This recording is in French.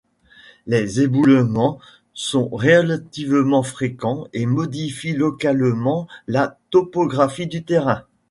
Les éboulements sont relativement fréquents et modifient localement la topographie du terrain.